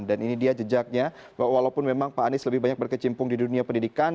dan ini dia jejaknya walaupun memang pak anies lebih banyak berkecimpung di dunia pendidikan